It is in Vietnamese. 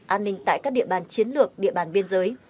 an ninh tại các địa bàn chiến lược địa bàn biên giới